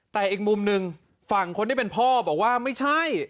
แต่อีกมุมหนึ่งฝั่งคนที่เป็นพ่อบอกว่าไม่ใช่